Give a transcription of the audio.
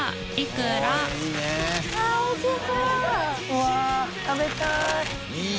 うわっ食べたい。